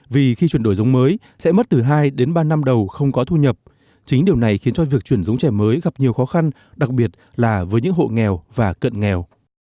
vì khi chuyển đổi giống mới sẽ mất từ hai đến ba năm đầu không có thu nhập chính điều này khiến cho việc chuyển giống trẻ mới gặp nhiều khó khăn đặc biệt là với những hộ nghèo và cận nghèo